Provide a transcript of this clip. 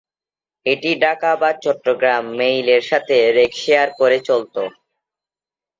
এটি ঢাকা/চট্টগ্রাম মেইলের সাথে rake share করে চলতো।